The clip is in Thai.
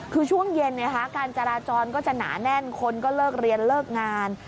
คือช่วงเย็นการจราจรก็จะหนาแน่นคนก็เลิกเรียนเลิกงาน